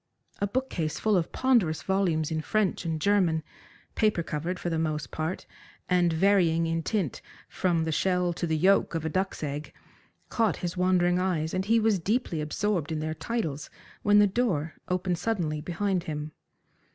A book case full of ponderous volumes in French and German, paper covered for the most part, and varying in tint from the shell to the yoke of a duck's egg, caught his wandering eyes, and he was deeply absorbed in their titles when the door opened suddenly behind him.